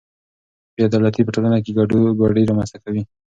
بې عدالتي په ټولنه کې ګډوډي رامنځته کوي.